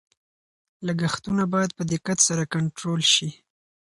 لګښتونه باید په دقت سره کنټرول شي.